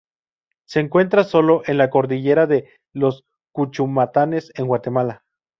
Se encuentra sólo en la cordillera de los Cuchumatanes en Guatemala.